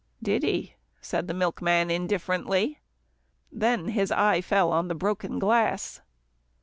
"Did he," said the milkman indifferently. Then his eye fell on the broken glass.